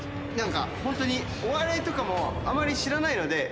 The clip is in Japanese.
何かホントにお笑いとかもあまり知らないので。